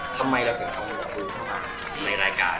ทำไมเราถึงเอานี่กระทู้ข้างมาในรายการ